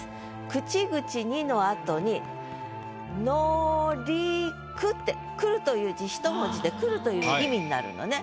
「口々に」の後に「乗り来」って「来る」という字ひと文字で「来る」という意味になるのね。